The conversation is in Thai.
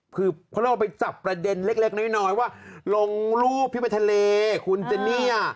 คือไปจับประเด็นเล็กนิ้วน้อยว่าลงรูปพิปราธลิคคุณเจนนี่